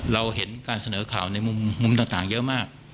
เราเห็นการเสนอข่าวในมุมต่างเยอะมาก